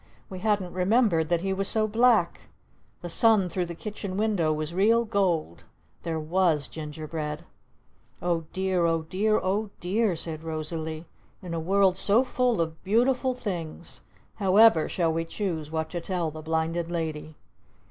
We hadn't remembered that he was so black! The sun through the kitchen window was real gold! There was Ginger bread! "Oh dear Oh dear Oh dear!" said Rosalee. "In a world so full of beautiful things however shall we choose what to tell the Blinded Lady?"